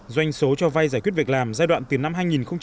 doanh số cho vai giải quyết việc làm giai đoạn từ năm hai nghìn một mươi năm